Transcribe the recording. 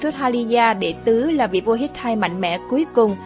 trước haliyah đệ tứ là vị vua hittite mạnh mẽ cuối cùng